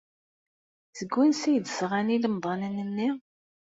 Seg wansi ay d-sɣan ilemḍanen-nni?